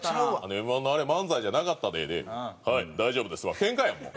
「Ｍ−１のあれ漫才じゃなかったで」で「はい大丈夫です」はケンカやもう。